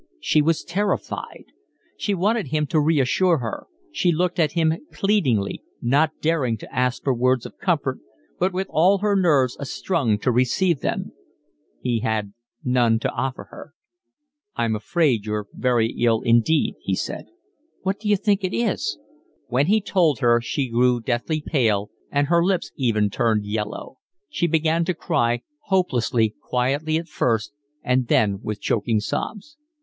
She was terrified. She wanted him to reassure her; she looked at him pleadingly, not daring to ask for words of comfort but with all her nerves astrung to receive them: he had none to offer her. "I'm afraid you're very ill indeed," he said. "What d'you think it is?" When he told her she grew deathly pale, and her lips even turned, yellow. she began to cry, hopelessly, quietly at first and then with choking sobs.